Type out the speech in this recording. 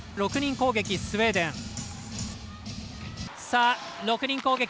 ６人攻撃、スウェーデン。